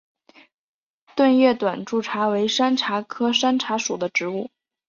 钝叶短柱茶为山茶科山茶属的植物。